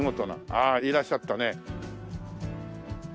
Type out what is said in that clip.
ああいらっしゃったね。